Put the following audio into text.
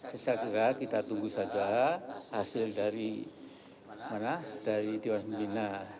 saya kira kita tunggu saja hasil dari tiongho bina